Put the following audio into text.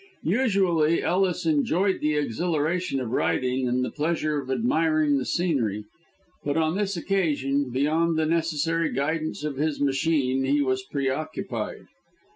Usually Ellis enjoyed the exhilaration of riding and the pleasure of admiring the scenery; but on this occasion, beyond the necessary guidance of his machine, he was preoccupied.